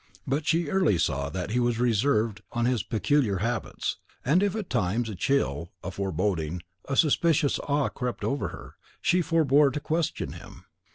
But she early saw that he was reserved on his peculiar habits; and if at times a chill, a foreboding, a suspicious awe crept over her, she forebore to question him.